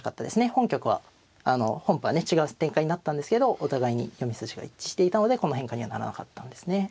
本局は本譜はね違う展開になったんですけどお互いに読み筋が一致していたのでこの変化にはならなかったんですね。